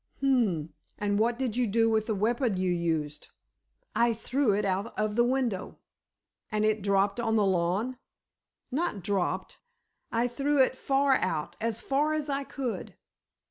"H'm. And what did you do with the weapon you used?" "I threw it out of the window." "And it dropped on the lawn?" "Not dropped; I threw it far out—as far as I could."